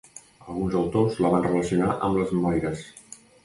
Alguns autors la van relacionar amb les moires.